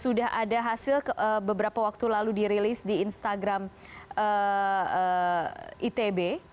sudah ada hasil beberapa waktu lalu dirilis di instagram itb